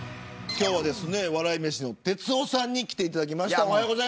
今日は、笑い飯の哲夫さんに来ていただきました。